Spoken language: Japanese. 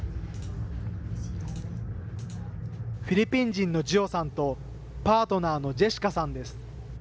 フィリピン人のジオさんと、パートナーのジェシカさんです。